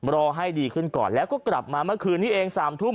รอให้ดีขึ้นก่อนแล้วก็กลับมาเมื่อคืนนี้เอง๓ทุ่ม